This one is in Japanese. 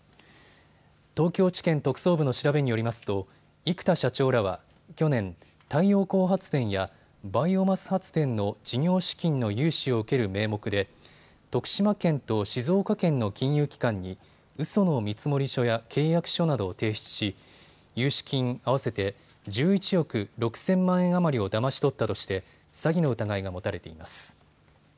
東京地検特捜部の調べによりますと生田社長らは去年、太陽光発電やバイオマス発電の事業資金の融資を受ける名目で徳島県と静岡県の金融機関にうその見積書や契約書などを提出し融資金合わせて１１億６０００万円余りをだまし取ったとして詐欺の疑いが持たれています。